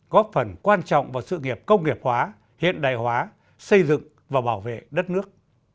góp phần quan trọng vào sự nghiệp công nghiệp hóa hiện đại hóa xây dựng và bảo vệ đất nước